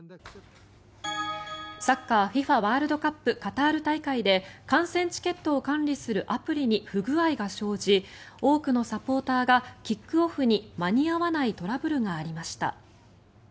サッカーＦＩＦＡワールドカップカタール大会で観戦チケットを管理するアプリに不具合が生じ多くのサポーターがキックオフに間に合わないトラブルがありました。